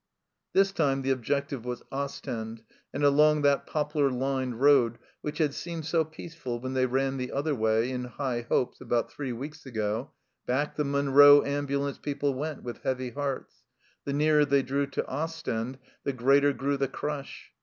This time the objective was Ostend, and along that poplar lined road, which had seemed so peace ful when they ran the other way in high hopes about three weeks ago, back the Munro ambulance people went with heavy hearts. The nearer they drew to Ostend, the greater grew the crush.